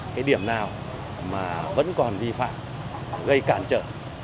cái điểm nào mà vẫn còn vi phạm gây cản trở